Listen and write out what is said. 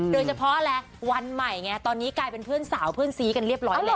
โดยเฉพาะอะไรวันใหม่ไงตอนนี้กลายเป็นเพื่อนสาวเพื่อนซีกันเรียบร้อยแล้ว